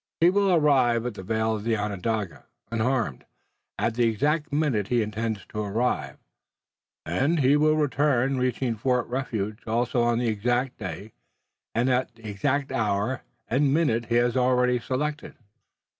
He will arrive at the vale of Onondaga, unharmed, at the exact minute he intends to arrive, and he will return, reaching Fort Refuge also on the exact day, and at the exact hour and minute he has already selected."